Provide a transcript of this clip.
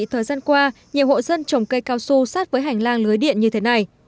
thời gian qua nhiều hộ dân trồng cây cao su sát với hành lang lưới điện như thế này